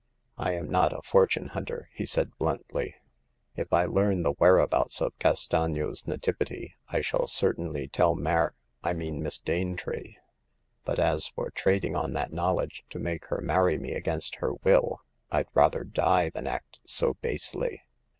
'* I am not a fortune hunter/' he said, bluntly ;if I learn the where abouts of Castagno's * Nativity,' I shall certainly tell Mar— I mean Miss Danetree. But as for trading on that knowledge to make her marry me against her will, Td rather die than act so basely